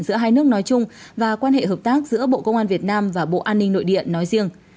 giữa hai nước nói chung và quan hệ hợp tác giữa bộ công an việt nam và bộ an ninh nội địa nói riêng